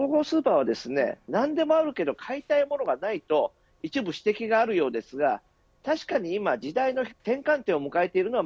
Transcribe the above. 今、総合スーパーは何でもあるけど買いたいものがないと一部指摘があるようですが確かに今時代の転換点を迎えているのは